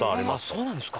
そうなんですか？